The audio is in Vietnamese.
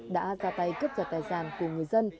đã ra tay cướp giật tài sản của người dân